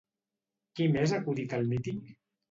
Qui més ha acudit al míting?